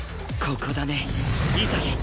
ここだね潔！